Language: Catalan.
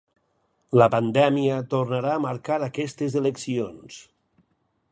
La pandèmia tornarà a marcar aquestes eleccions.